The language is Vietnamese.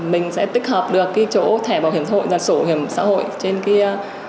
mình sẽ tích hợp được cái chỗ thẻ bảo hiểm xã hội và sổ hiểm xã hội trên kia